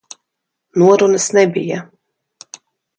Norunas nebija.